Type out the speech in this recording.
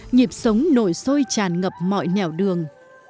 nhịp sống nổi sôi tràn ngập mọi nẻo đường